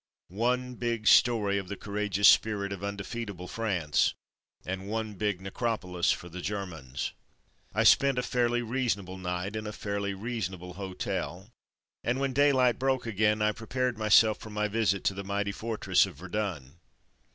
One big story of the courageous spirit of undefeatable France, and one big necropolis for the Germans. I spent a fairly reasonable night in a fairly reasonable hotel, and when daylight broke again I prepared myself for my visit to the mighty fortress of Verdun.